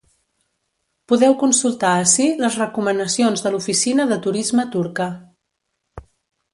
Podeu consultar ací les recomanacions de l’oficina de turisme turca.